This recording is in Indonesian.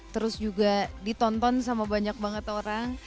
terus juga ditonton sama banyak banget orang